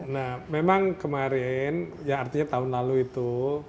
nah memang kemarin ya artinya tahun lalu itu